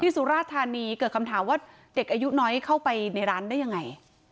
สุราธานีเกิดคำถามว่าเด็กอายุน้อยเข้าไปในร้านได้ยังไง